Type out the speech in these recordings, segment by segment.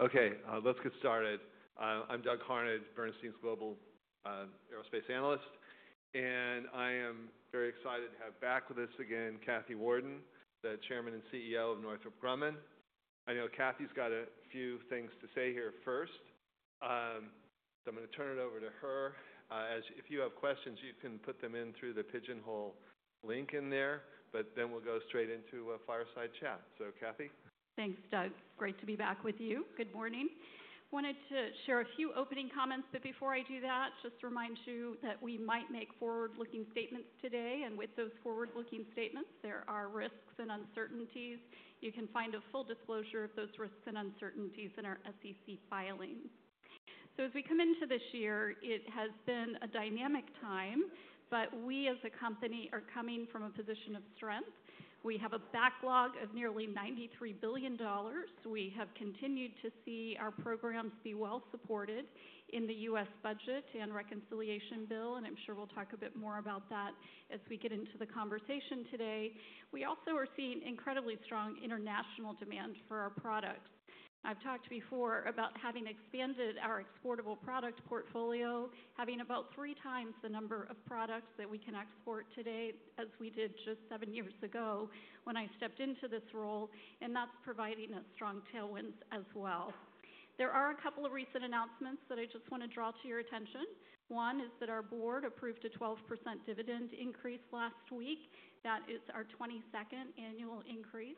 Okay, let's get started. I'm Doug Harned, Bernstein's Global Aerospace Analyst, and I am very excited to have back with us again Kathy Warden, the Chairman and CEO of Northrop Grumman. I know Kathy's got a few things to say here first, so I'm gonna turn it over to her. As if you have questions, you can put them in through the pigeonhole link in there, but then we'll go straight into a fireside chat. So, Kathy? Thanks, Doug. Great to be back with you. Good morning. Wanted to share a few opening comments, but before I do that, just remind you that we might make forward-looking statements today, and with those forward-looking statements, there are risks and uncertainties. You can find a full disclosure of those risks and uncertainties in our SEC filings. As we come into this year, it has been a dynamic time, but we as a company are coming from a position of strength. We have a backlog of nearly $93 billion. We have continued to see our programs be well supported in the U.S. budget and reconciliation bill, and I'm sure we'll talk a bit more about that as we get into the conversation today. We also are seeing incredibly strong international demand for our products. I've talked before about having expanded our exportable product portfolio, having about three times the number of products that we can export today as we did just seven years ago when I stepped into this role, and that's providing us strong tailwinds as well. There are a couple of recent announcements that I just want to draw to your attention. One is that our board approved a 12% dividend increase last week. That is our 22nd annual increase.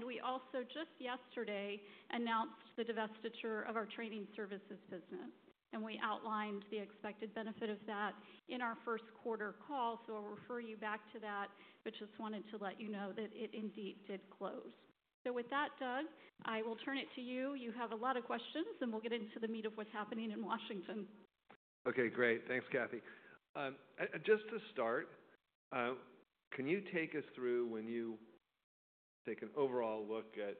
We also just yesterday announced the divestiture of our training services business, and we outlined the expected benefit of that in our first quarter call, so I'll refer you back to that, but just wanted to let you know that it indeed did close. Doug, I will turn it to you. You have a lot of questions, and we'll get into the meat of what's happening in Washington. Okay, great. Thanks, Kathy. And just to start, can you take us through when you take an overall look at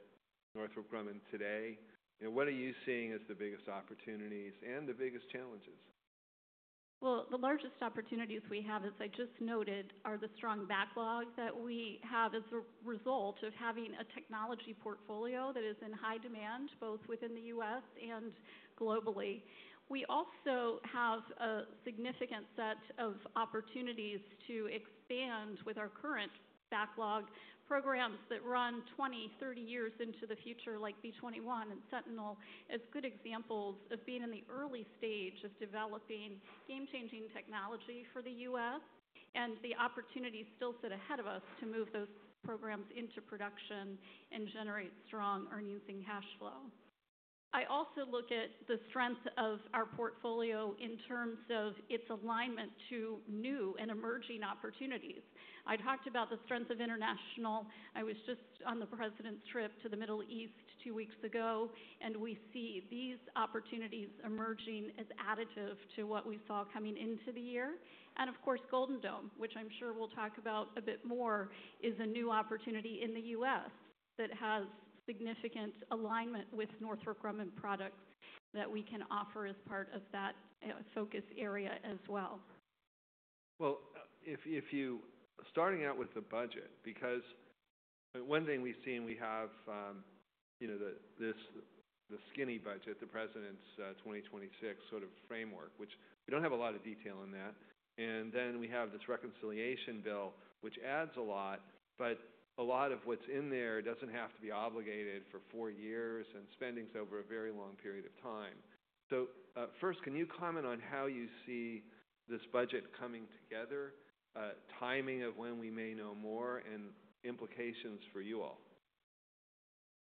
Northrop Grumman today, you know, what are you seeing as the biggest opportunities and the biggest challenges? The largest opportunities we have, as I just noted, are the strong backlog that we have as a result of having a technology portfolio that is in high demand both within the U.S. and globally. We also have a significant set of opportunities to expand with our current backlog programs that run 20-30 years into the future, like B-21 and Sentinel, as good examples of being in the early stage of developing game-changing technology for the U.S., and the opportunities still sit ahead of us to move those programs into production and generate strong earnings and cash flow. I also look at the strength of our portfolio in terms of its alignment to new and emerging opportunities. I talked about the strength of international. I was just on the President's trip to the Middle East two weeks ago, and we see these opportunities emerging as additive to what we saw coming into the year. Of course, Golden Dome, which I'm sure we'll talk about a bit more, is a new opportunity in the U.S. that has significant alignment with Northrop Grumman products that we can offer as part of that focus area as well. If you starting out with the budget, because one thing we've seen, we have, you know, the, this, the skinny budget, the president's 2026 sort of framework, which we don't have a lot of detail in that. Then we have this reconciliation bill, which adds a lot, but a lot of what's in there doesn't have to be obligated for four years and spendings over a very long period of time. First, can you comment on how you see this budget coming together, timing of when we may know more, and implications for you all?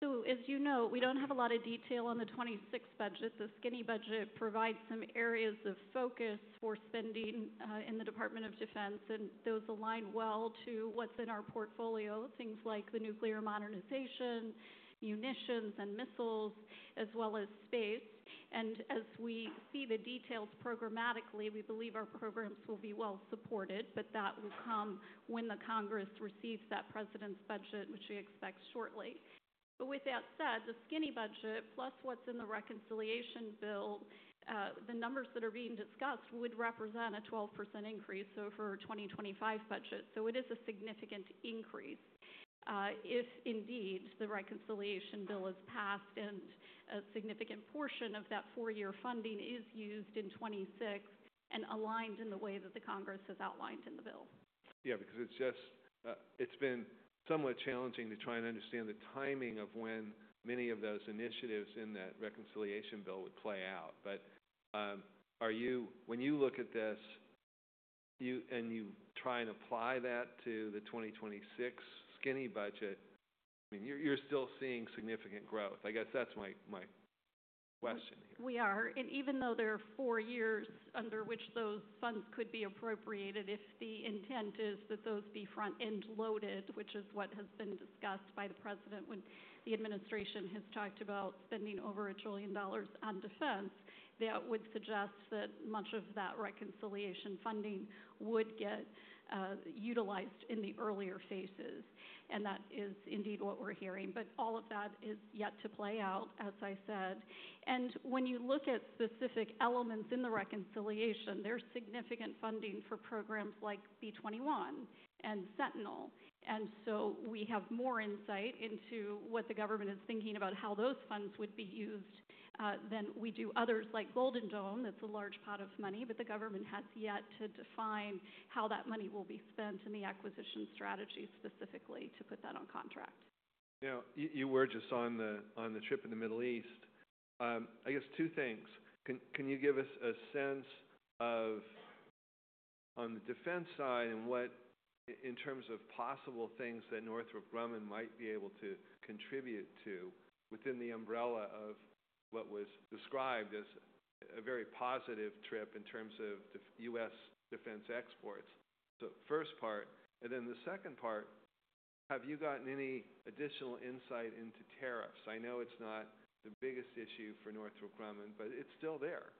As you know, we don't have a lot of detail on the 2026 budget. The skinny budget provides some areas of focus for spending in the Department of Defense, and those align well to what's in our portfolio, things like the nuclear modernization, munitions, and missiles, as well as space. As we see the details programmatically, we believe our programs will be well supported, but that will come when the Congress receives that president's budget, which we expect shortly. That said, the skinny budget plus what's in the reconciliation bill, the numbers that are being discussed would represent a 12% increase for our 2025 budget. It is a significant increase, if indeed the reconciliation bill is passed and a significant portion of that four-year funding is used in 2026 and aligned in the way that the Congress has outlined in the bill. Yeah, because it's just, it's been somewhat challenging to try and understand the timing of when many of those initiatives in that reconciliation bill would play out. Are you, when you look at this, you and you try and apply that to the 2026 skinny budget, I mean, you're still seeing significant growth. I guess that's my question here. We are. Even though there are four years under which those funds could be appropriated, if the intent is that those be front-end loaded, which is what has been discussed by the president when the administration has talked about spending over $1 trillion on defense, that would suggest that much of that reconciliation funding would get utilized in the earlier phases. That is indeed what we're hearing. All of that is yet to play out, as I said. When you look at specific elements in the reconciliation, there is significant funding for programs like B-21 and Sentinel. We have more insight into what the government is thinking about how those funds would be used than we do others like Golden Dome. That's a large pot of money, but the government has yet to define how that money will be spent in the acquisition strategy specifically to put that on contract. Now, you were just on the trip in the Middle East. I guess two things. Can you give us a sense of, on the defense side and what, in terms of possible things that Northrop Grumman might be able to contribute to within the umbrella of what was described as a very positive trip in terms of U.S. defense exports? First part. And then the second part, have you gotten any additional insight into tariffs? I know it's not the biggest issue for Northrop Grumman, but it's still there.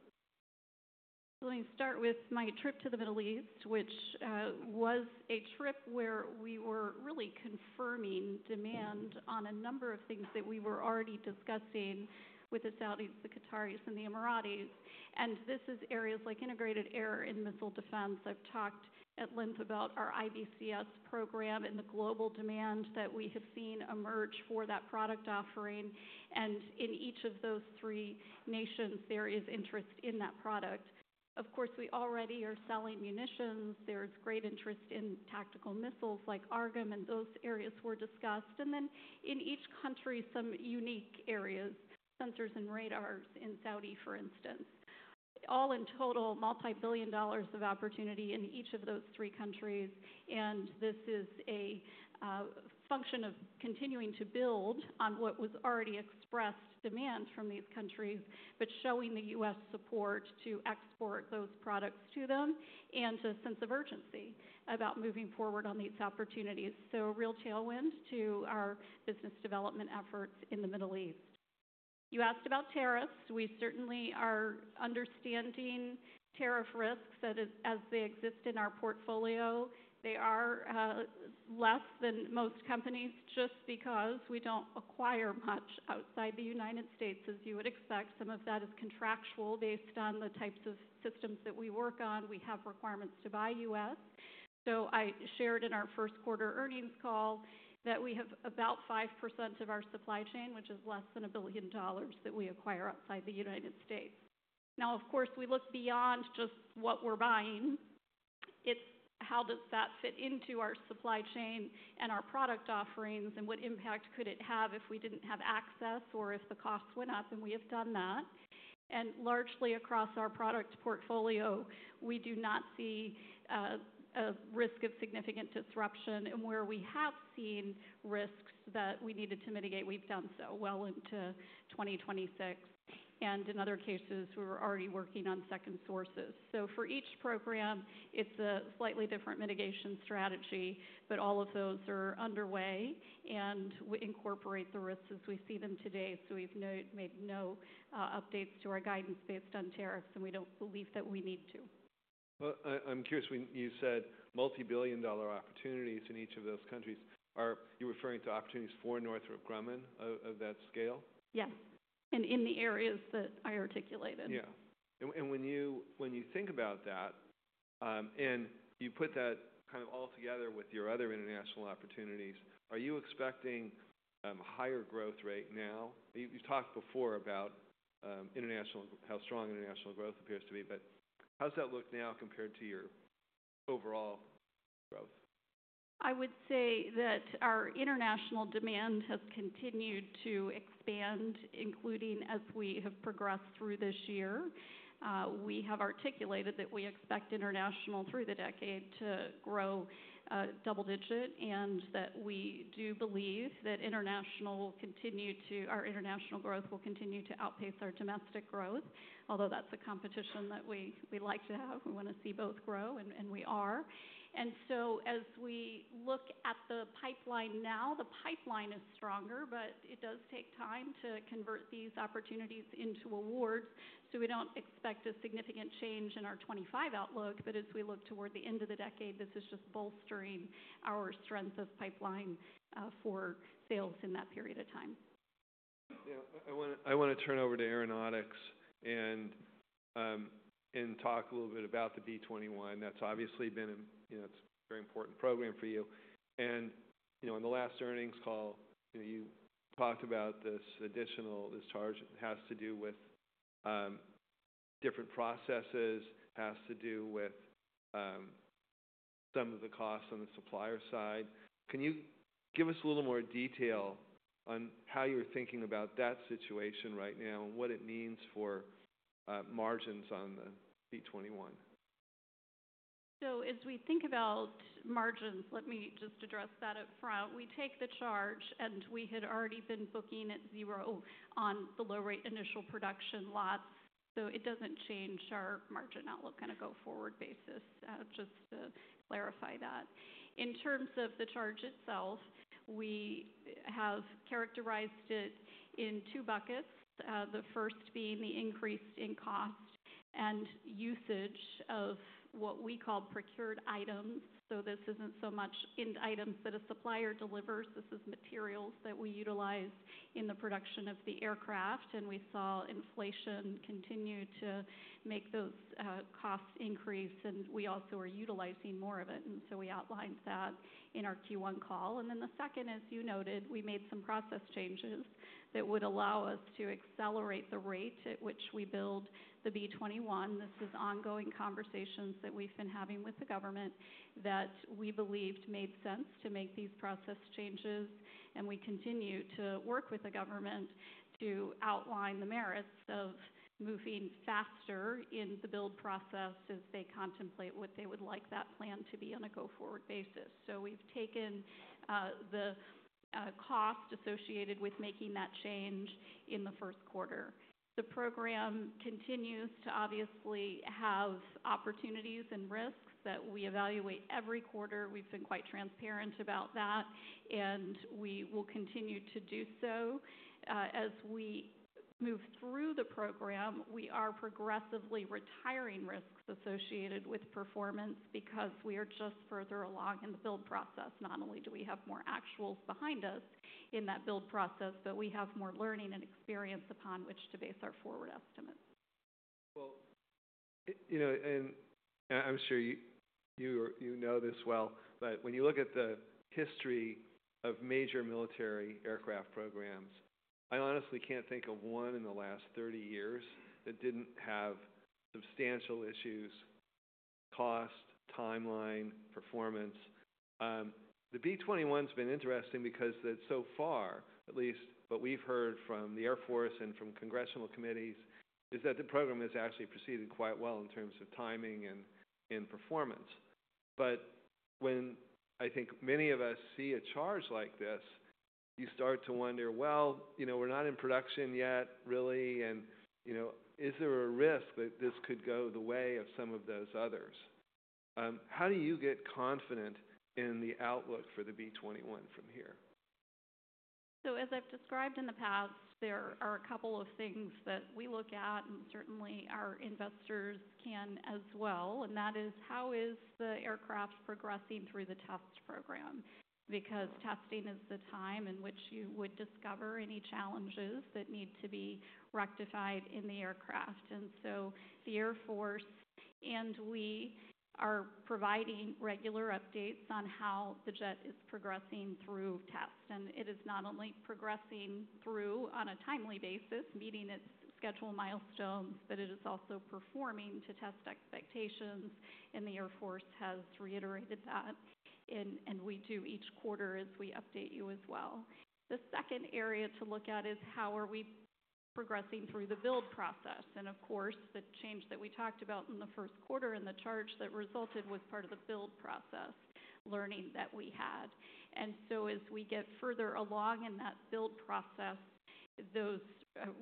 Let me start with my trip to the Middle East, which was a trip where we were really confirming demand on a number of things that we were already discussing with the Saudis, the Qataris, and the Emiratis. This is areas like integrated air and missile defense. I've talked at length about our IBCS program and the global demand that we have seen emerge for that product offering. In each of those three nations, there is interest in that product. Of course, we already are selling munitions. There's great interest in tactical missiles like AARGM, and those areas were discussed. In each country, some unique areas, sensors and radars in Saudi, for instance. All in total, multi-billion dollars of opportunity in each of those three countries. This is a function of continuing to build on what was already expressed demand from these countries, but showing the U.S. support to export those products to them and a sense of urgency about moving forward on these opportunities. Real tailwind to our business development efforts in the Middle East. You asked about tariffs. We certainly are understanding tariff risks that as they exist in our portfolio, they are less than most companies just because we do not acquire much outside the United States, as you would expect. Some of that is contractual based on the types of systems that we work on. We have requirements to buy U.S. I shared in our first quarter earnings call that we have about 5% of our supply chain, which is less than $1 billion that we acquire outside the United States. Now, of course, we look beyond just what we're buying. It's how does that fit into our supply chain and our product offerings and what impact could it have if we didn't have access or if the costs went up, and we have done that. Largely across our product portfolio, we do not see a risk of significant disruption. Where we have seen risks that we needed to mitigate, we've done so well into 2026. In other cases, we were already working on second sources. For each program, it's a slightly different mitigation strategy, but all of those are underway, and we incorporate the risks as we see them today. We've made no updates to our guidance based on tariffs, and we don't believe that we need to. I'm curious. When you said multi-billion dollar opportunities in each of those countries, are you referring to opportunities for Northrop Grumman of that scale? Yes. In the areas that I articulated. Yeah. And when you, when you think about that, and you put that kind of all together with your other international opportunities, are you expecting a higher growth rate now? You, you talked before about international, how strong international growth appears to be, but how's that look now compared to your overall growth? I would say that our international demand has continued to expand, including as we have progressed through this year. We have articulated that we expect international through the decade to grow, double-digit, and that we do believe that international will continue to, our international growth will continue to outpace our domestic growth, although that's a competition that we, we like to have. We wanna see both grow, and we are. As we look at the pipeline now, the pipeline is stronger, but it does take time to convert these opportunities into awards. We do not expect a significant change in our 2025 outlook, but as we look toward the end of the decade, this is just bolstering our strength of pipeline for sales in that period of time. Yeah. I wanna, I wanna turn over to Aeronautics and talk a little bit about the B-21. That's obviously been a, you know, it's a very important program for you. You know, in the last earnings call, you talked about this additional, this charge has to do with different processes, has to do with some of the costs on the supplier side. Can you give us a little more detail on how you're thinking about that situation right now and what it means for margins on the B-21? As we think about margins, let me just address that up front. We take the charge, and we had already been booking at zero on the low-rate initial production lots. It does not change our margin outlook on a go-forward basis, just to clarify that. In terms of the charge itself, we have characterized it in two buckets, the first being the increase in cost and usage of what we call procured items. This is not so much in items that a supplier delivers. This is materials that we utilize in the production of the aircraft, and we saw inflation continue to make those costs increase, and we also are utilizing more of it. We outlined that in our Q1 call. The second, as you noted, we made some process changes that would allow us to accelerate the rate at which we build the B-21. This is ongoing conversations that we've been having with the government that we believed made sense to make these process changes. We continue to work with the government to outline the merits of moving faster in the build process as they contemplate what they would like that plan to be on a go-forward basis. We've taken the cost associated with making that change in the first quarter. The program continues to obviously have opportunities and risks that we evaluate every quarter. We've been quite transparent about that, and we will continue to do so. As we move through the program, we are progressively retiring risks associated with performance because we are just further along in the build process. Not only do we have more actuals behind us in that build process, but we have more learning and experience upon which to base our forward estimates. You know, and I'm sure you know this well, but when you look at the history of major military aircraft programs, I honestly can't think of one in the last 30 years that didn't have substantial issues: cost, timeline, performance. The B-21's been interesting because that so far, at least what we've heard from the Air Force and from congressional committees, is that the program has actually proceeded quite well in terms of timing and performance. When I think many of us see a charge like this, you start to wonder, you know, we're not in production yet, really, and, you know, is there a risk that this could go the way of some of those others? How do you get confident in the outlook for the B-21 from here? As I have described in the past, there are a couple of things that we look at, and certainly our investors can as well, and that is how is the aircraft progressing through the test program? Because testing is the time in which you would discover any challenges that need to be rectified in the aircraft. The Air Force and we are providing regular updates on how the jet is progressing through test. It is not only progressing through on a timely basis, meeting its scheduled milestones, but it is also performing to test expectations, and the Air Force has reiterated that. We do each quarter as we update you as well. The second area to look at is how are we progressing through the build process? Of course, the change that we talked about in the first quarter and the charge that resulted was part of the build process learning that we had. As we get further along in that build process, those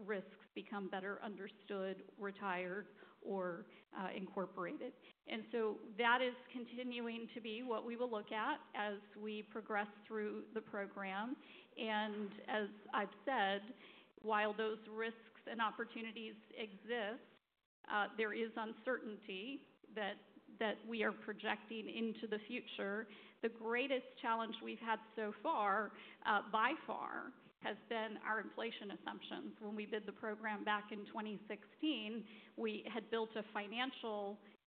risks become better understood, retired, or incorporated. That is continuing to be what we will look at as we progress through the program. As I've said, while those risks and opportunities exist, there is uncertainty that we are projecting into the future. The greatest challenge we've had so far, by far, has been our inflation assumptions. When we did the program back in 2016, we had built a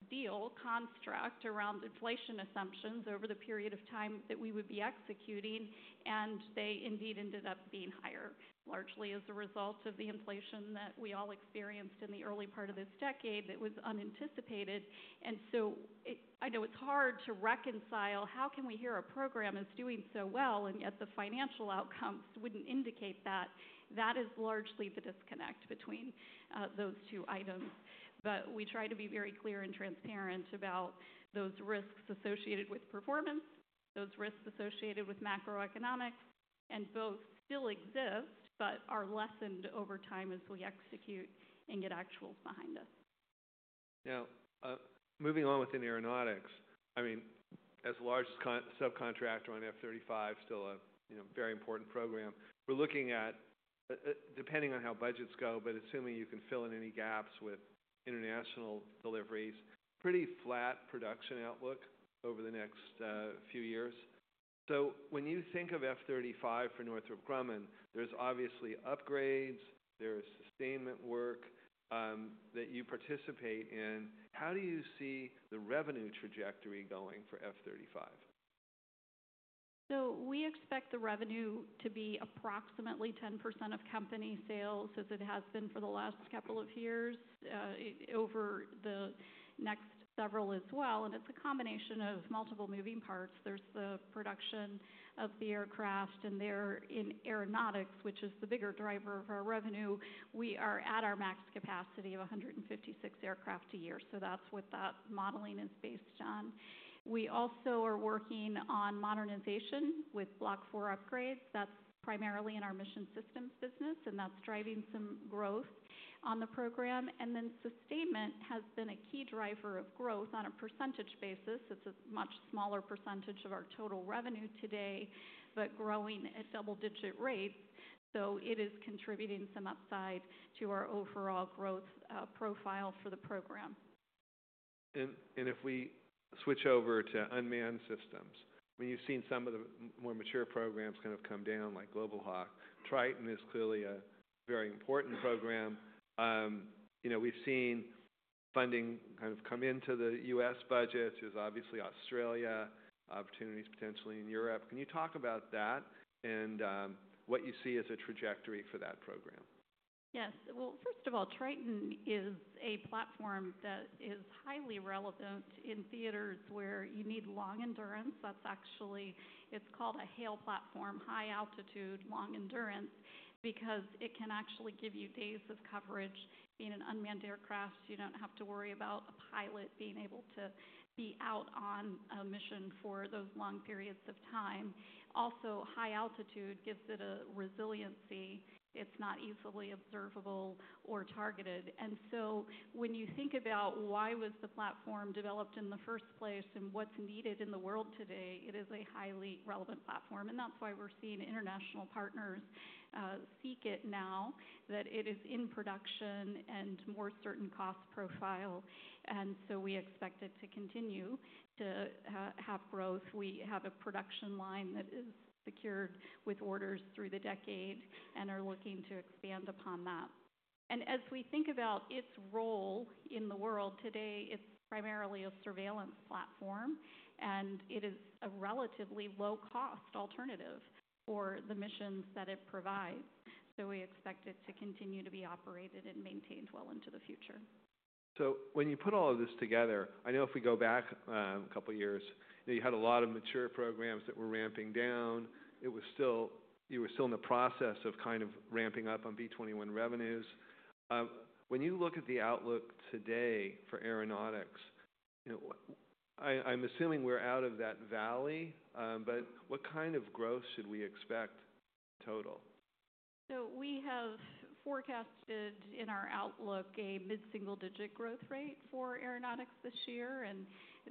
financial deal construct around inflation assumptions over the period of time that we would be executing, and they indeed ended up being higher, largely as a result of the inflation that we all experienced in the early part of this decade that was unanticipated. It, I know it's hard to reconcile how can we hear a program is doing so well and yet the financial outcomes would not indicate that. That is largely the disconnect between those two items. We try to be very clear and transparent about those risks associated with performance, those risks associated with macroeconomics, and both still exist, but are lessened over time as we execute and get actuals behind us. Now, moving on within Aeronautics, I mean, as large as con subcontractor on F-35, still a, you know, very important program. We're looking at, depending on how budgets go, but assuming you can fill in any gaps with international deliveries, pretty flat production outlook over the next few years. When you think of F-35 for Northrop Grumman, there's obviously upgrades, there is sustainment work, that you participate in. How do you see the revenue trajectory going for F-35? We expect the revenue to be approximately 10% of company sales as it has been for the last couple of years, over the next several as well. It is a combination of multiple moving parts. There is the production of the aircraft, and they are in aeronautics, which is the bigger driver of our revenue. We are at our max capacity of 156 aircraft a year. That is what that modeling is based on. We also are working on modernization with Block 4 upgrades. That is primarily in our mission systems business, and that is driving some growth on the program. Sustainment has been a key driver of growth on a percentage basis. It is a much smaller percentage of our total revenue today, but growing at double-digit rates. It is contributing some upside to our overall growth profile for the program. If we switch over to unmanned systems, when you've seen some of the more mature programs kind of come down, like Global Hawk, Triton is clearly a very important program. You know, we've seen funding kind of come into the U.S. budget, which is obviously Australia, opportunities potentially in Europe. Can you talk about that and what you see as a trajectory for that program? Yes. First of all, Triton is a platform that is highly relevant in theaters where you need long endurance. That's actually, it's called a HAL platform, high altitude, long endurance, because it can actually give you days of coverage. Being an unmanned aircraft, you don't have to worry about a pilot being able to be out on a mission for those long periods of time. Also, high altitude gives it a resiliency. It's not easily observable or targeted. When you think about why was the platform developed in the first place and what's needed in the world today, it is a highly relevant platform. That's why we're seeing international partners seek it now, that it is in production and more certain cost profile. We expect it to continue to have growth. We have a production line that is secured with orders through the decade and are looking to expand upon that. As we think about its role in the world today, it is primarily a surveillance platform, and it is a relatively low-cost alternative for the missions that it provides. We expect it to continue to be operated and maintained well into the future. When you put all of this together, I know if we go back a couple of years, you know, you had a lot of mature programs that were ramping down. It was still, you were still in the process of kind of ramping up on B-21 revenues. When you look at the outlook today for Aeronautics, you know, I, I'm assuming we're out of that valley, but what kind of growth should we expect in total? We have forecasted in our outlook a mid-single-digit growth rate for Aeronautics this year, and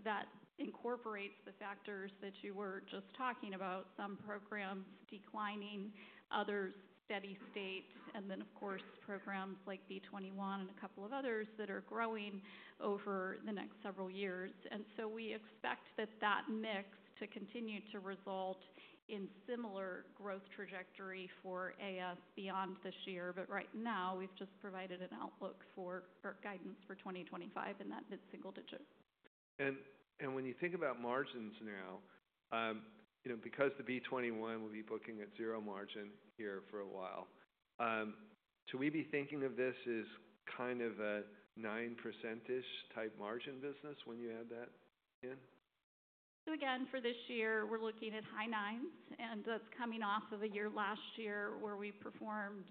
that incorporates the factors that you were just talking about: some programs declining, others steady state, and then, of course, programs like B-21 and a couple of others that are growing over the next several years. We expect that that mix to continue to result in similar growth trajectory for AS beyond this year. Right now, we've just provided an outlook for, or guidance for 2025 in that mid-single-digit. When you think about margins now, you know, because the B-21 will be booking at zero margin here for a while, should we be thinking of this as kind of a 9%-ish type margin business when you add that in? Again, for this year, we're looking at high nines, and that's coming off of a year last year where we performed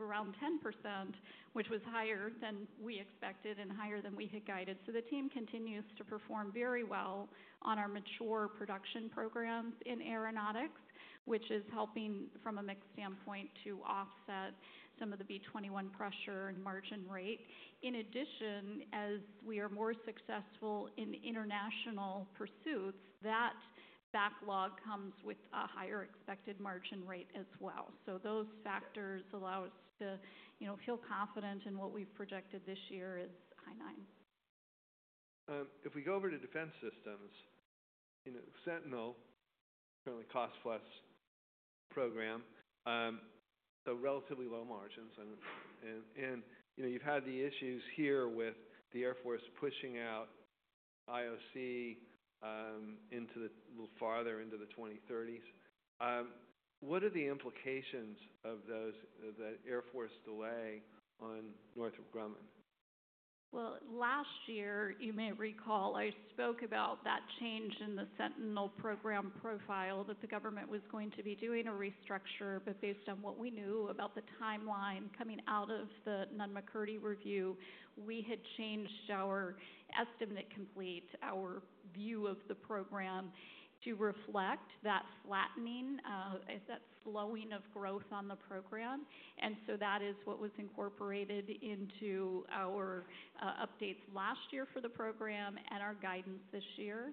around 10%, which was higher than we expected and higher than we had guided. The team continues to perform very well on our mature production programs in Aeronautics, which is helping from a mixed standpoint to offset some of the B-21 pressure and margin rate. In addition, as we are more successful in international pursuits, that backlog comes with a higher expected margin rate as well. Those factors allow us to, you know, feel confident in what we've projected this year is high nine. If we go over to defense systems, you know, Sentinel currently costs less program, so relatively low margins. And, you know, you've had the issues here with the Air Force pushing out IOC, into the little farther into the 2030s. What are the implications of those, the Air Force delay on Northrop Grumman? Last year, you may recall I spoke about that change in the Sentinel program profile that the government was going to be doing a restructure. Based on what we knew about the timeline coming out of the Nunn-McCurdy review, we had changed our estimate complete, our view of the program to reflect that flattening, that slowing of growth on the program. That is what was incorporated into our updates last year for the program and our guidance this year.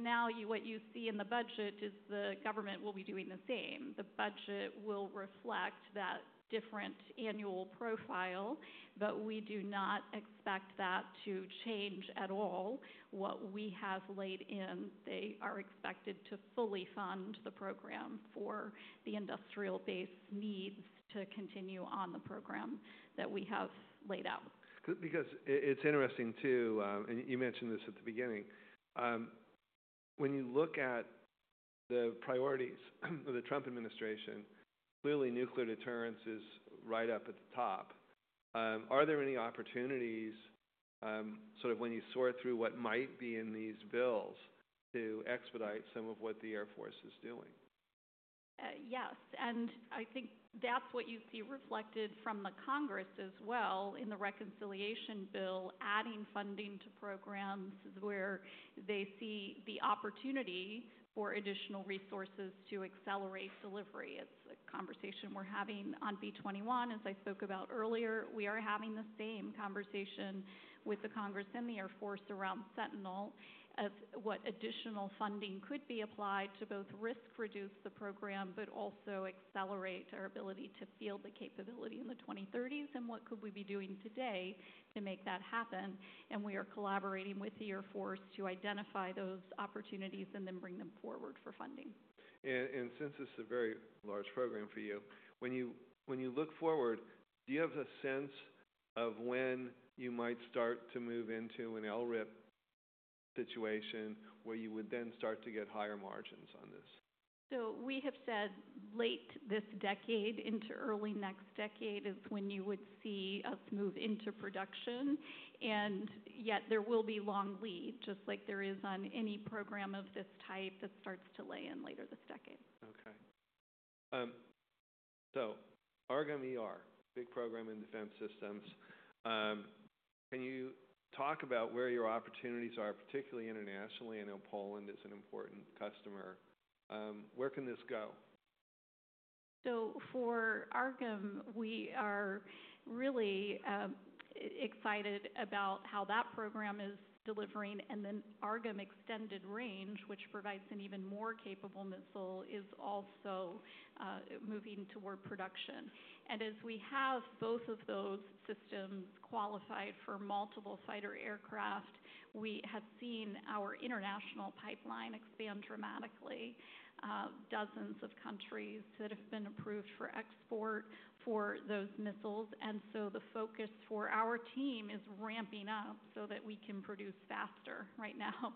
Now what you see in the budget is the government will be doing the same. The budget will reflect that different annual profile, but we do not expect that to change at all. What we have laid in, they are expected to fully fund the program for the industrial-based needs to continue on the program that we have laid out. Because it's interesting too, and you mentioned this at the beginning, when you look at the priorities of the Trump administration, clearly nuclear deterrence is right up at the top. Are there any opportunities, sort of when you sort through what might be in these bills to expedite some of what the Air Force is doing? Yes. I think that's what you see reflected from the Congress as well in the reconciliation bill, adding funding to programs where they see the opportunity for additional resources to accelerate delivery. It's a conversation we're having on B-21. As I spoke about earlier, we are having the same conversation with the Congress and the Air Force around Sentinel as what additional funding could be applied to both risk-reduce the program, but also accelerate our ability to field the capability in the 2030s and what could we be doing today to make that happen. We are collaborating with the Air Force to identify those opportunities and then bring them forward for funding. Since it's a very large program for you, when you look forward, do you have a sense of when you might start to move into an LRIP situation where you would then start to get higher margins on this? We have said late this decade into early next decade is when you would see us move into production. Yet there will be long lead, just like there is on any program of this type that starts to lay in later this decade. Okay. So AARGM, big program in Defense Systems. Can you talk about where your opportunities are, particularly internationally? I know Poland is an important customer. Where can this go? For AARGM, we are really excited about how that program is delivering. AARGM-ER, which provides an even more capable missile, is also moving toward production. As we have both of those systems qualified for multiple fighter aircraft, we have seen our international pipeline expand dramatically, dozens of countries that have been approved for export for those missiles. The focus for our team is ramping up so that we can produce faster. Right now,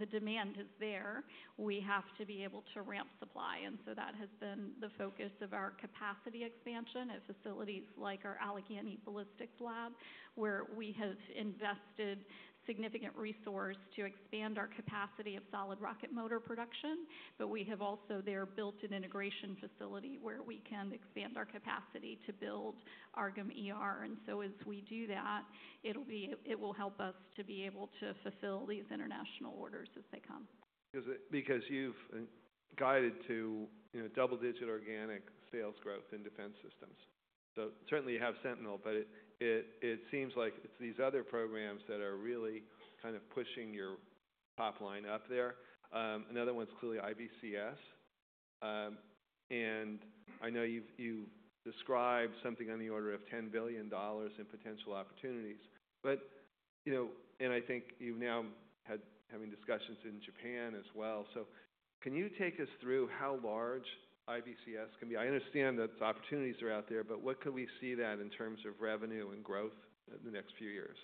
the demand is there. We have to be able to ramp supply. That has been the focus of our capacity expansion at facilities like our Allegheny Ballistics Lab, where we have invested significant resources to expand our capacity of solid rocket motor production. We have also there built an integration facility where we can expand our capacity to build AARGM. And so as we do that, it will help us to be able to fulfill these international orders as they come. Because you've guided to, you know, double-digit organic sales growth in defense systems. Certainly you have Sentinel, but it seems like it's these other programs that are really kind of pushing your top line up there. Another one's clearly IBCS. I know you've described something on the order of $10 billion in potential opportunities. You know, I think you've now had discussions in Japan as well. Can you take us through how large IBCS can be? I understand that the opportunities are out there, but what could we see in terms of revenue and growth in the next few years?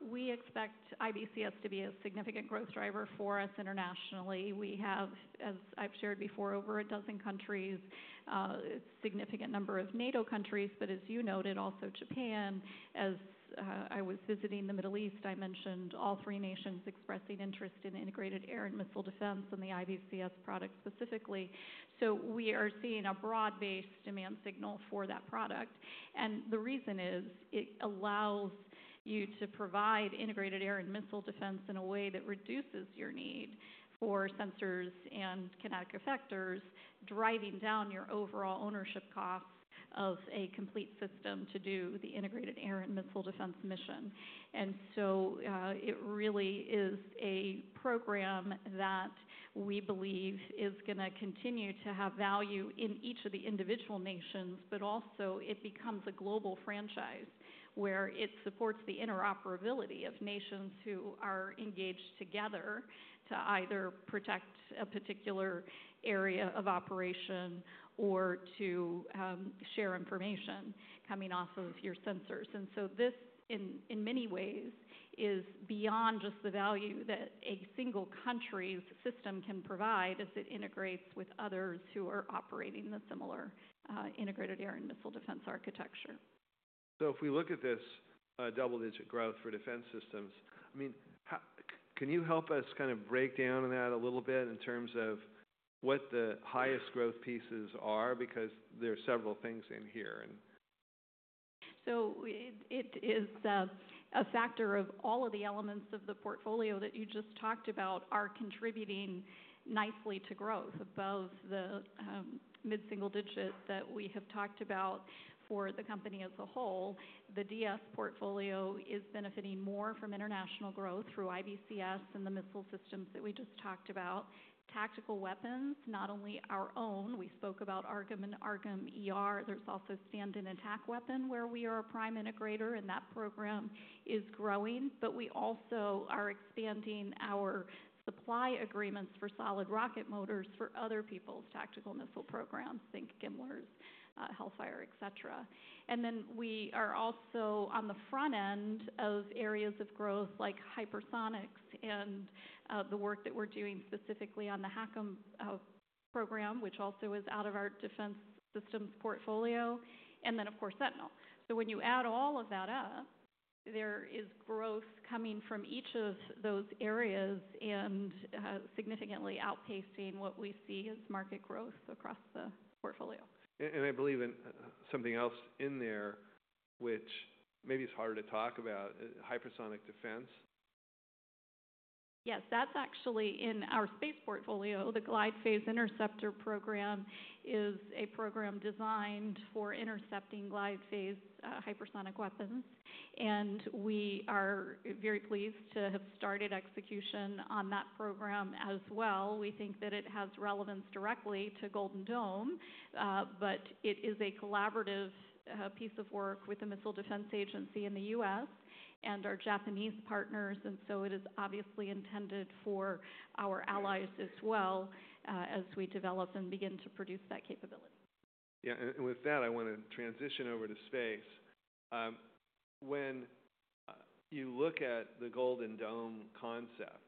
We expect IBCS to be a significant growth driver for us internationally. We have, as I've shared before, over a dozen countries, a significant number of NATO countries, but as you noted, also Japan. As I was visiting the Middle East, I mentioned all three nations expressing interest in integrated air and missile defense and the IBCS product specifically. We are seeing a broad-based demand signal for that product. The reason is it allows you to provide integrated air and missile defense in a way that reduces your need for sensors and kinetic effectors, driving down your overall ownership costs of a complete system to do the integrated air and missile defense mission. It really is a program that we believe is going to continue to have value in each of the individual nations, but also it becomes a global franchise where it supports the interoperability of nations who are engaged together to either protect a particular area of operation or to share information coming off of your sensors. This, in many ways, is beyond just the value that a single country's system can provide as it integrates with others who are operating the similar integrated air and missile defense architecture. If we look at this, double-digit growth for defense systems, I mean, how can you help us kind of break down that a little bit in terms of what the highest growth pieces are? Because there are several things in here. It is a factor of all of the elements of the portfolio that you just talked about are contributing nicely to growth above the mid-single digit that we have talked about for the company as a whole. The DS portfolio is benefiting more from international growth through IBCS and the missile systems that we just talked about. Tactical weapons, not only our own, we spoke about AARGM and AARGM-ER. There is also Stand and Attack Weapon where we are a prime integrator, and that program is growing, but we also are expanding our supply agreements for solid rocket motors for other people's tactical missile programs, think GMLRS, Hellfire, et cetera. We are also on the front end of areas of growth like hypersonics and the work that we are doing specifically on the HACM program, which also is out of our defense systems portfolio. Of course, Sentinel. When you add all of that up, there is growth coming from each of those areas and, significantly, outpacing what we see as market growth across the portfolio. I believe in something else in there, which maybe it's harder to talk about, hypersonic defense. Yes, that's actually in our space portfolio. The Glide Phase Interceptor program is a program designed for intercepting glide phase, hypersonic weapons. We are very pleased to have started execution on that program as well. We think that it has relevance directly to Golden Dome, but it is a collaborative piece of work with the Missile Defense Agency in the U.S. and our Japanese partners. It is obviously intended for our allies as well, as we develop and begin to produce that capability. Yeah. With that, I want to transition over to space. When you look at the Golden Dome concept,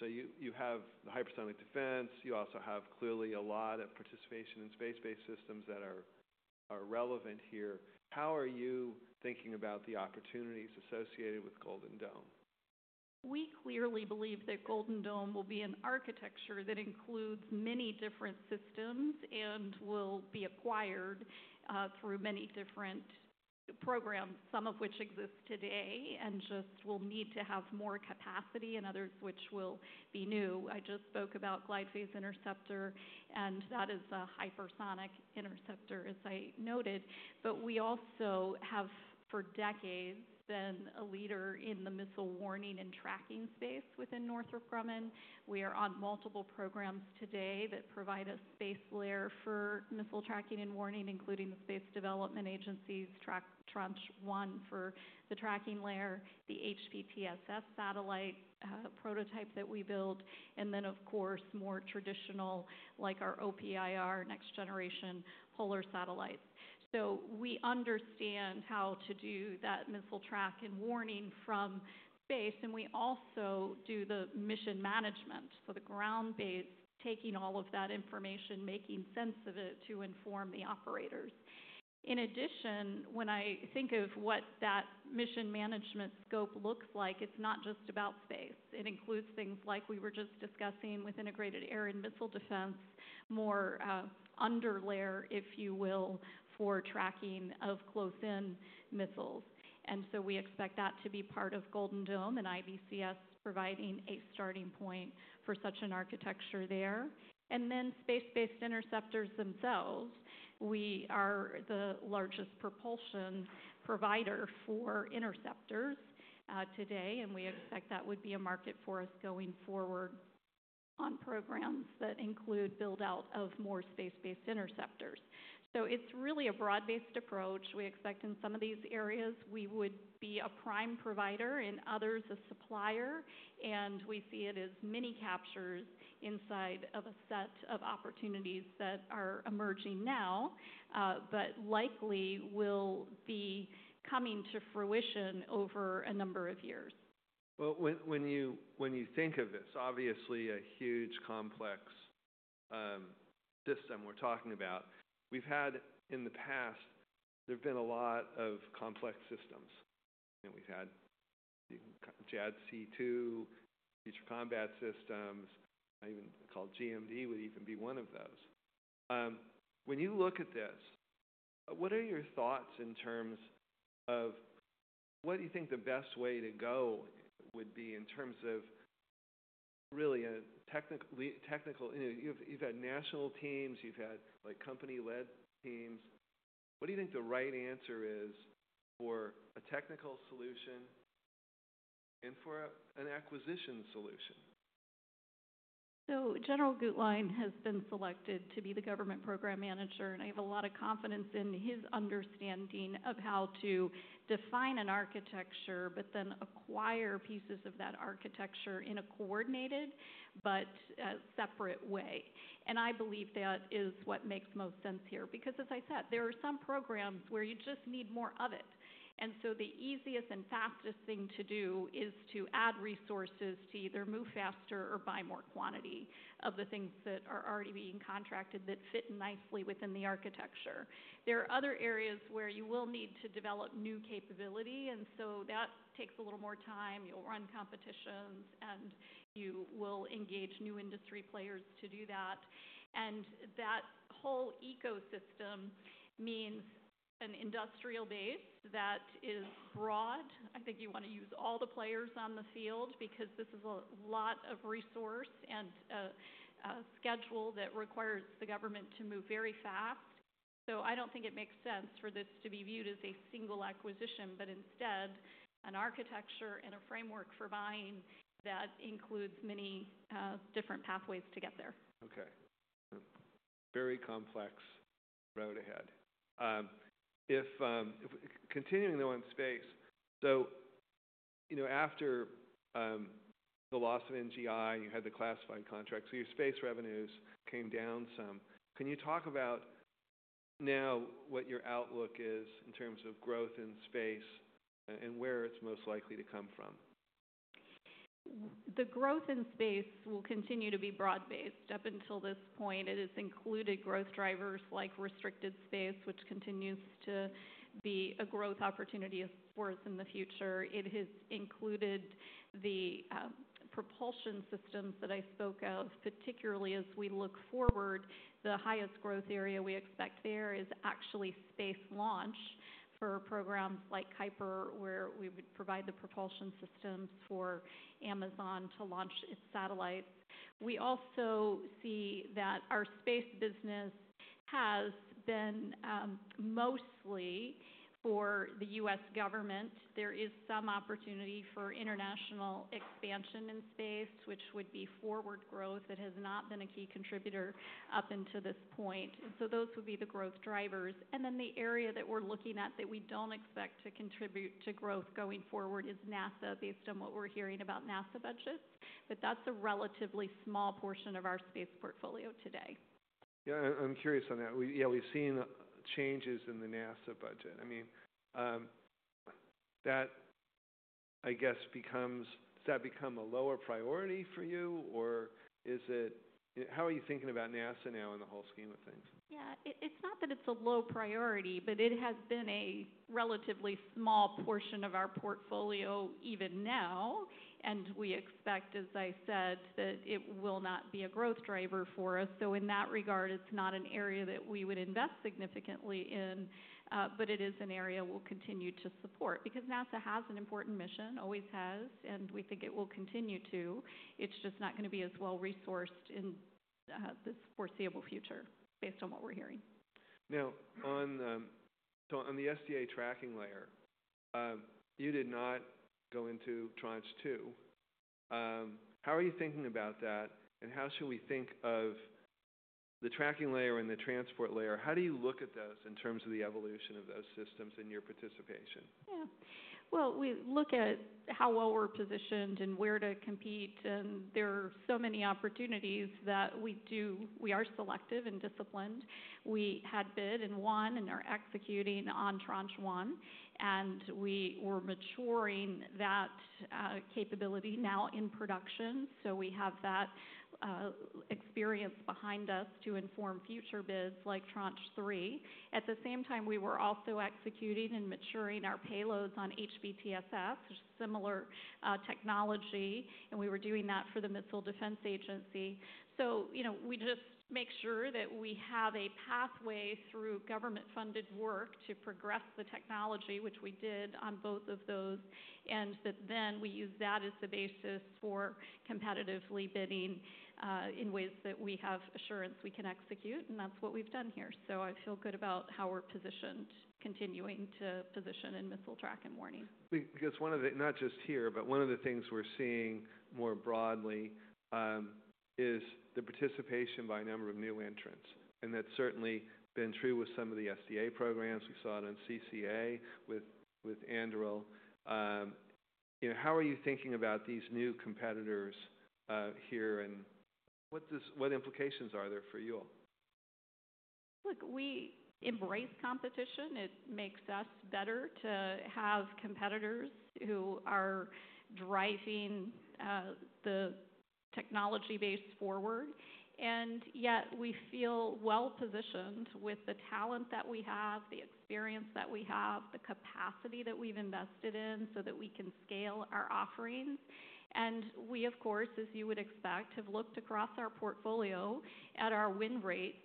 you have the hypersonic defense, you also have clearly a lot of participation in space-based systems that are relevant here. How are you thinking about the opportunities associated with Golden Dome? We clearly believe that Golden Dome will be an architecture that includes many different systems and will be acquired through many different programs, some of which exist today and just will need to have more capacity and others which will be new. I just spoke about Glide Phase Interceptor, and that is a hypersonic interceptor, as I noted. We also have for decades been a leader in the missile warning and tracking space within Northrop Grumman. We are on multiple programs today that provide a space layer for missile tracking and warning, including the Space Development Agency's Track Tranche One for the tracking layer, the HPTSS satellite prototype that we build, and then, of course, more traditional, like our OPIR next-generation polar satellites. We understand how to do that missile track and warning from space. We also do the mission management. The ground-based, taking all of that information, making sense of it to inform the operators. In addition, when I think of what that mission management scope looks like, it's not just about space. It includes things like we were just discussing with integrated air and missile defense, more, underlayer, if you will, for tracking of close-in missiles. We expect that to be part of Golden Dome and IBCS providing a starting point for such an architecture there. Space-based interceptors themselves, we are the largest propulsion provider for interceptors, today. We expect that would be a market for us going forward on programs that include build-out of more space-based interceptors. It's really a broad-based approach. We expect in some of these areas, we would be a prime provider in others, a supplier. We see it as mini captures inside of a set of opportunities that are emerging now, but likely will be coming to fruition over a number of years. When you think of this, obviously a huge complex system we're talking about, we've had in the past, there've been a lot of complex systems. You know, we've had JADC2, Future Combat Systems, even called GMD would even be one of those. When you look at this, what are your thoughts in terms of what do you think the best way to go would be in terms of really a technical, technical, you've had national teams, you've had like company-led teams. What do you think the right answer is for a technical solution and for an acquisition solution? General Gutlein has been selected to be the government program manager, and I have a lot of confidence in his understanding of how to define an architecture, but then acquire pieces of that architecture in a coordinated, but separate way. I believe that is what makes most sense here. Because as I said, there are some programs where you just need more of it. The easiest and fastest thing to do is to add resources to either move faster or buy more quantity of the things that are already being contracted that fit nicely within the architecture. There are other areas where you will need to develop new capability. That takes a little more time. You'll run competitions and you will engage new industry players to do that. That whole ecosystem means an industrial base that is broad. I think you want to use all the players on the field because this is a lot of resource and schedule that requires the government to move very fast. I do not think it makes sense for this to be viewed as a single acquisition, but instead an architecture and a framework for buying that includes many different pathways to get there. Okay. Very complex road ahead. If, continuing though on space, so, you know, after the loss of NGI, you had the classified contracts, so your space revenues came down some. Can you talk about now what your outlook is in terms of growth in space and where it's most likely to come from? The growth in space will continue to be broad-based up until this point. It has included growth drivers like restricted space, which continues to be a growth opportunity for us in the future. It has included the propulsion systems that I spoke of, particularly as we look forward, the highest growth area we expect there is actually space launch for programs like Kuiper, where we would provide the propulsion systems for Amazon to launch its satellites. We also see that our space business has been mostly for the U.S. government. There is some opportunity for international expansion in space, which would be forward growth. It has not been a key contributor up until this point. Those would be the growth drivers. The area that we're looking at that we don't expect to contribute to growth going forward is NASA, based on what we're hearing about NASA budgets. That is a relatively small portion of our space portfolio today. Yeah. I'm curious on that. Yeah. We've seen changes in the NASA budget. I mean, that I guess becomes, does that become a lower priority for you or is it, how are you thinking about NASA now in the whole scheme of things? Yeah. It's not that it's a low priority, but it has been a relatively small portion of our portfolio even now. We expect, as I said, that it will not be a growth driver for us. In that regard, it's not an area that we would invest significantly in, but it is an area we'll continue to support because NASA has an important mission, always has, and we think it will continue to. It's just not going to be as well resourced in this foreseeable future based on what we're hearing. Now, on the SDA tracking layer, you did not go into Tranche Two. How are you thinking about that? How should we think of the tracking layer and the transport layer? How do you look at those in terms of the evolution of those systems and your participation? Yeah. We look at how well we're positioned and where to compete. There are so many opportunities that we do, we are selective and disciplined. We had bid and won and are executing on Tranche One. We were maturing that capability now in production. We have that experience behind us to inform future bids like Tranche Three. At the same time, we were also executing and maturing our payloads on HBTSS, which is similar technology. We were doing that for the Missile Defense Agency. You know, we just make sure that we have a pathway through government-funded work to progress the technology, which we did on both of those, and that then we use that as the basis for competitively bidding in ways that we have assurance we can execute. That's what we've done here. I feel good about how we're positioned, continuing to position in missile track and warning. Because one of the, not just here, but one of the things we're seeing more broadly is the participation by a number of new entrants. And that's certainly been true with some of the SDA programs. We saw it on CCA with Anduril. You know, how are you thinking about these new competitors here and what implications are there for you all? Look, we embrace competition. It makes us better to have competitors who are driving the technology base forward. Yet we feel well positioned with the talent that we have, the experience that we have, the capacity that we have invested in so that we can scale our offerings. We, of course, as you would expect, have looked across our portfolio at our win rates,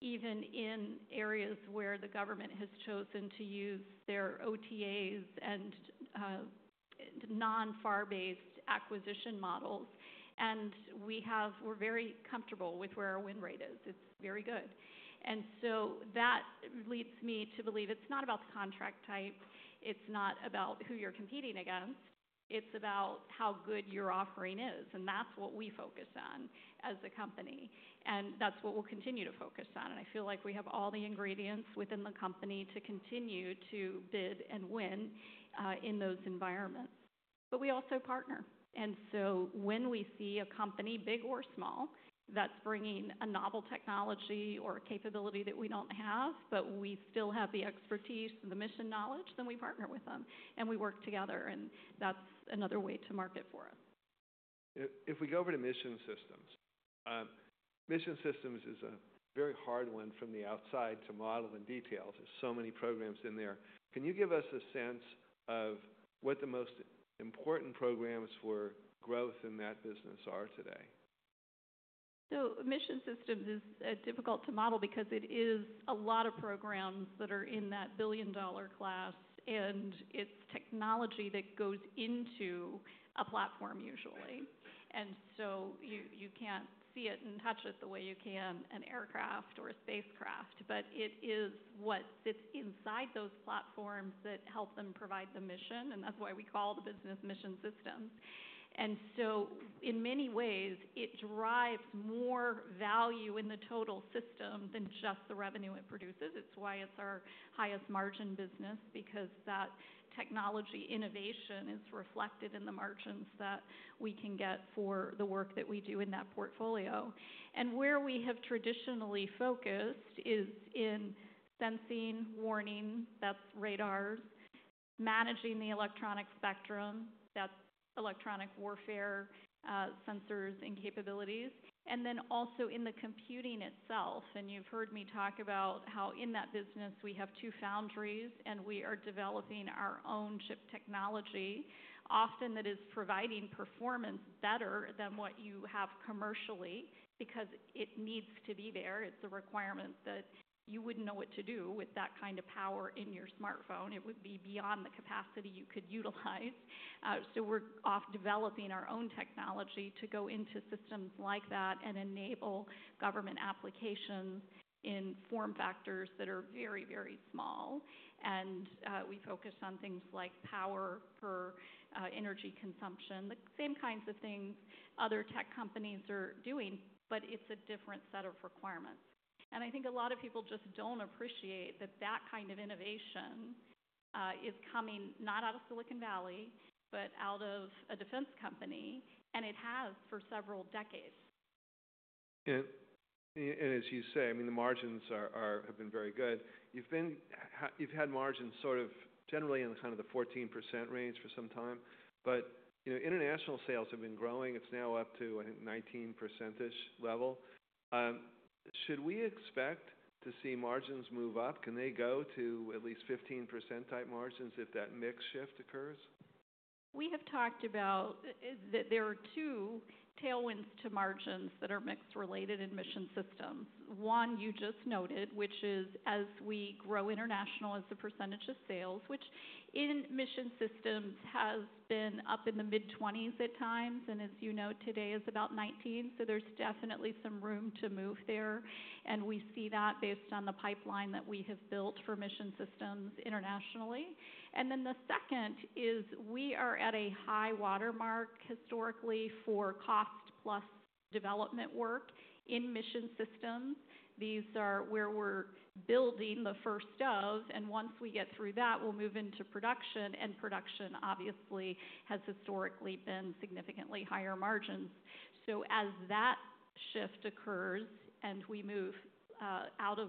even in areas where the government has chosen to use their OTAs and non-FAR-based acquisition models. We are very comfortable with where our win rate is. It is very good. That leads me to believe it is not about the contract type. It is not about who you are competing against. It is about how good your offering is. That is what we focus on as a company. That is what we will continue to focus on. I feel like we have all the ingredients within the company to continue to bid and win in those environments. We also partner. When we see a company, big or small, that's bringing a novel technology or a capability that we don't have, but we still have the expertise and the mission knowledge, we partner with them and we work together. That's another way to market for us. If we go over to mission systems, mission systems is a very hard one from the outside to model in detail. There are so many programs in there. Can you give us a sense of what the most important programs for growth in that business are today? Mission systems is difficult to model because it is a lot of programs that are in that billion-dollar class. It is technology that goes into a platform usually. You cannot see it and touch it the way you can an aircraft or a spacecraft, but it is what sits inside those platforms that help them provide the mission. That is why we call the business mission systems. In many ways, it drives more value in the total system than just the revenue it produces. It is why it is our highest margin business because that technology innovation is reflected in the margins that we can get for the work that we do in that portfolio. Where we have traditionally focused is in sensing, warning, that is radars, managing the electronic spectrum, that is electronic warfare, sensors and capabilities, and then also in the computing itself. You have heard me talk about how in that business we have two foundries and we are developing our own chip technology, often that is providing performance better than what you have commercially because it needs to be there. It is a requirement that you would not know what to do with that kind of power in your smartphone. It would be beyond the capacity you could utilize. We are off developing our own technology to go into systems like that and enable government applications in form factors that are very, very small. We focus on things like power for energy consumption, the same kinds of things other tech companies are doing, but it is a different set of requirements. I think a lot of people just do not appreciate that that kind of innovation is coming not out of Silicon Valley, but out of a defense company. It has for several decades. As you say, I mean, the margins have been very good. You've had margins sort of generally in the 14% range for some time. You know, international sales have been growing. It's now up to, I think, 19%-ish level. Should we expect to see margins move up? Can they go to at least 15%-type margins if that mix shift occurs? We have talked about that there are two tailwinds to margins that are mixed related in mission systems. One you just noted, which is as we grow international, as the percentage of sales, which in mission systems has been up in the mid-20s at times, and as you know, today is about 19%. There is definitely some room to move there. We see that based on the pipeline that we have built for mission systems internationally. The second is we are at a high watermark historically for cost plus development work in mission systems. These are where we are building the first of, and once we get through that, we will move into production. Production, obviously, has historically been significantly higher margins. As that shift occurs and we move out of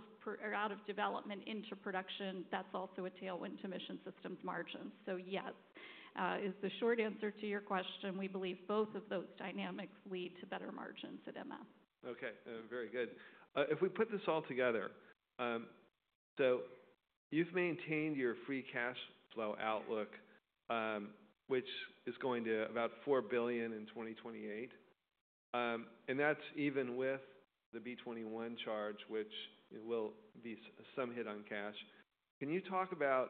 development into production, that is also a tailwind to mission systems margins. Yes, is the short answer to your question. We believe both of those dynamics lead to better margins at MS. Okay. Very good. If we put this all together, so you've maintained your free cash flow outlook, which is going to about $4 billion in 2028. And that's even with the B-21 charge, which will be some hit on cash. Can you talk about,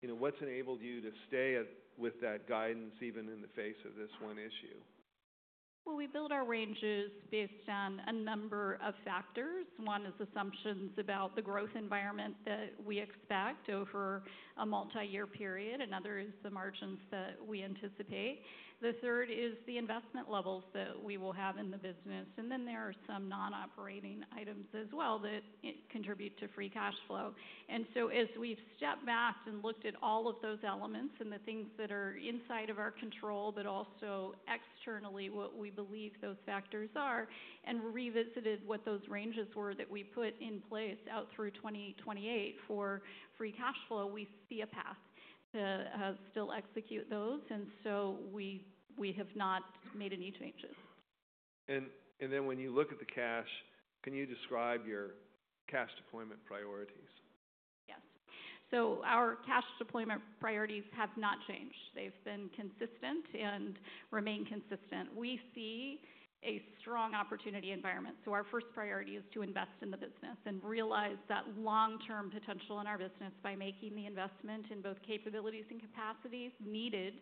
you know, what's enabled you to stay with that guidance even in the face of this one issue? We build our ranges based on a number of factors. One is assumptions about the growth environment that we expect over a multi-year period. Another is the margins that we anticipate. The third is the investment levels that we will have in the business. There are some non-operating items as well that contribute to free cash flow. As we have stepped back and looked at all of those elements and the things that are inside of our control, but also externally, what we believe those factors are, and revisited what those ranges were that we put in place out through 2028 for free cash flow, we see a path to still execute those. We have not made any changes. And then when you look at the cash, can you describe your cash deployment priorities? Yes. Our cash deployment priorities have not changed. They have been consistent and remain consistent. We see a strong opportunity environment. Our first priority is to invest in the business and realize that long-term potential in our business by making the investment in both capabilities and capacities needed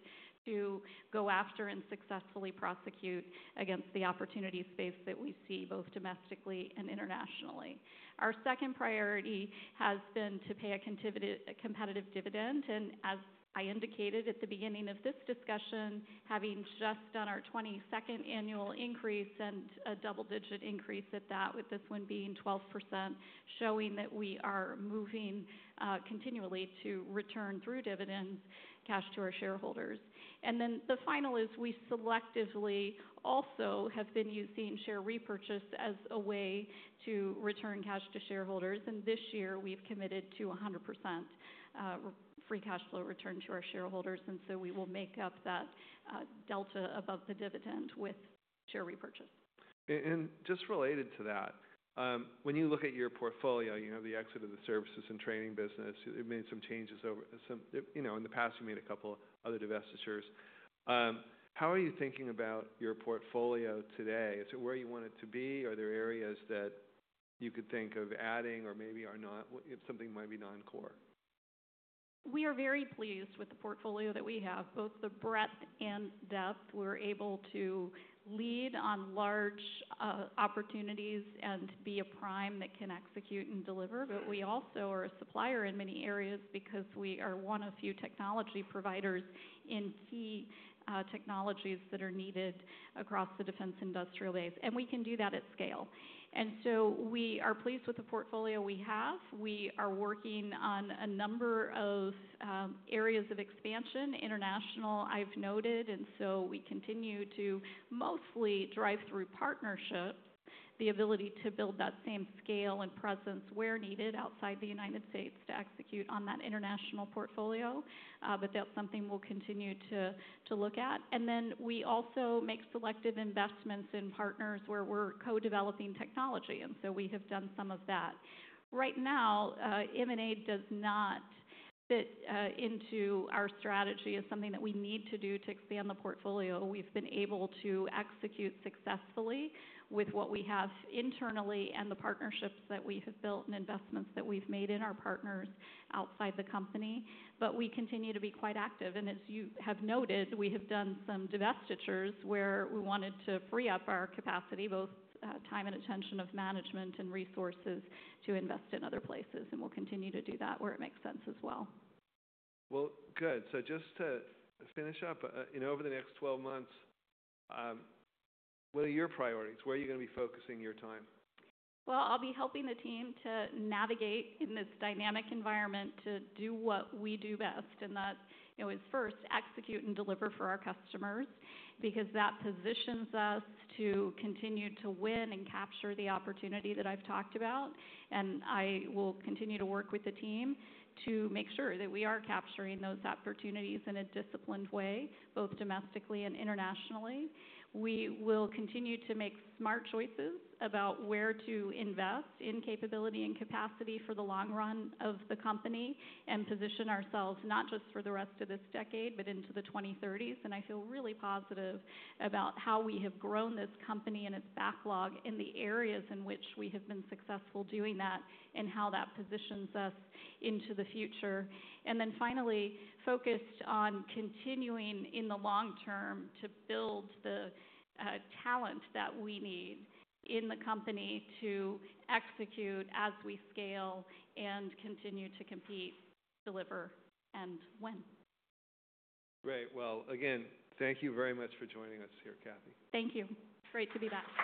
to go after and successfully prosecute against the opportunity space that we see both domestically and internationally. Our second priority has been to pay a competitive dividend. As I indicated at the beginning of this discussion, having just done our 22nd annual increase and a double-digit increase at that, with this one being 12%, showing that we are moving, continually to return through dividends, cash to our shareholders. The final is we selectively also have been using share repurchase as a way to return cash to shareholders. This year we've committed to 100% free cash flow return to our shareholders. We will make up that delta above the dividend with share repurchase. Just related to that, when you look at your portfolio, you have the exit of the services and training business. You've made some changes over some, you know, in the past you made a couple of other divestitures. How are you thinking about your portfolio today? Is it where you want it to be? Are there areas that you could think of adding or maybe are not, if something might be non-core? We are very pleased with the portfolio that we have, both the breadth and depth. We're able to lead on large opportunities and be a prime that can execute and deliver. We also are a supplier in many areas because we are one of few technology providers in key technologies that are needed across the defense industrial base. We can do that at scale. We are pleased with the portfolio we have. We are working on a number of areas of expansion, international, I've noted. We continue to mostly drive through partnerships, the ability to build that same scale and presence where needed outside the United States to execute on that international portfolio. That's something we'll continue to look at. We also make selective investments in partners where we're co-developing technology. We have done some of that. Right now, M&A does not fit into our strategy as something that we need to do to expand the portfolio. We've been able to execute successfully with what we have internally and the partnerships that we have built and investments that we've made in our partners outside the company. We continue to be quite active. As you have noted, we have done some divestitures where we wanted to free up our capacity, both time and attention of management and resources to invest in other places. We will continue to do that where it makes sense as well. Good. So just to finish up, you know, over the next 12 months, what are your priorities? Where are you going to be focusing your time? I will be helping the team to navigate in this dynamic environment to do what we do best. That, you know, is first execute and deliver for our customers because that positions us to continue to win and capture the opportunity that I've talked about. I will continue to work with the team to make sure that we are capturing those opportunities in a disciplined way, both domestically and internationally. We will continue to make smart choices about where to invest in capability and capacity for the long run of the company and position ourselves not just for the rest of this decade, but into the 2030s. I feel really positive about how we have grown this company and its backlog in the areas in which we have been successful doing that and how that positions us into the future. Finally, focused on continuing in the long term to build the talent that we need in the company to execute as we scale and continue to compete, deliver, and win. Great. Again, thank you very much for joining us here, Kathy. Thank you. It's great to be back.